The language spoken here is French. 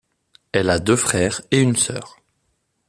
Elle a deux frères et une sœur.